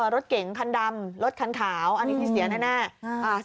รถเก๋งคันดำรถคันขาวอันนี้ที่เสียแน่